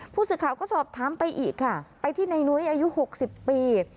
ผู้สื่อข่าวก็สอบถามไปอีกค่ะไปที่ในนุ้ยอายุ๖๐ปี